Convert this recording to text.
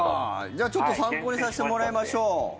じゃあ、ちょっと参考にさせてもらいましょう。